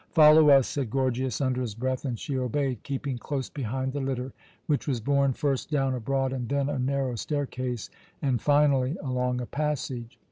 "Follow us," said Gorgias, under his breath, and she obeyed, keeping close behind the litter, which was borne first down a broad and then a narrow staircase, and finally along a passage.